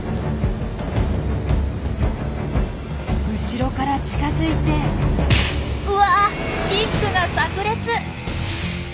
後ろから近づいてうわキックがさく裂！